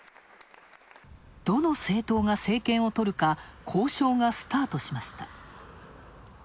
どの政党が政権をとるか、交渉がスタートしました。